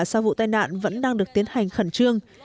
sau vụ tai nạn vẫn đang được tiến hành khẩn trương